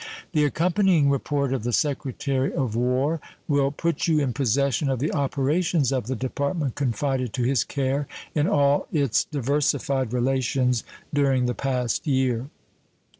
The accompanying report of the Secretary of War will put you in possession of the operations of the Department confided to his care in all its diversified relations during the past year.